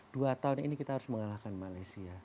dua tahun ini kita harus mengalahkan malaysia